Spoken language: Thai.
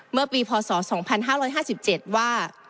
เมื่อปีพศ๒๕๕๗ว่า